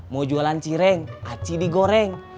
mau jualan cireng aci digoreng